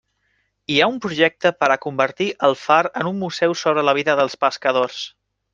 Hi ha un projecte per a convertir el far en un museu sobre la vida dels pescadors.